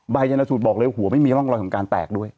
จนสูตรบอกเลยหัวไม่มีร่องรอยของการแตกด้วย